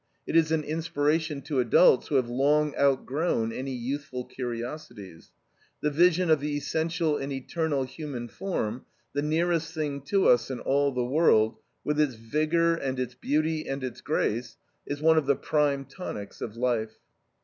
It is an inspiration to adults who have long outgrown any youthful curiosities. The vision of the essential and eternal human form, the nearest thing to us in all the world, with its vigor and its beauty and its grace, is one of the prime tonics of life."